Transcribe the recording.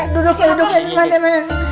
duduk ya duduk ya dimana dimana